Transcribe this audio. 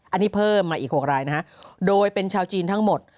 อันนี้เพิ่มมาอีก๖รายนะฮะโดยเป็นชาวจีนทั้งหมด